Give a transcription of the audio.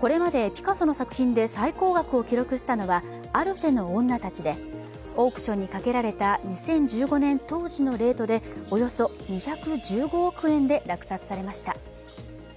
これまでピカソの作品で最高額を記録したのは「アルジェの女たち」でオークションにかけられた２０１５年当時のレートでおよそ２１５億円で落札されました。